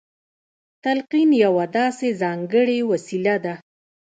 تلقين يوه داسې ځانګړې وسيله ده.